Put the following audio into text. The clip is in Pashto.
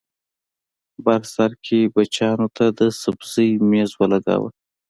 بر سر کې بچیانو ته د سبزۍ مېز ولګاوه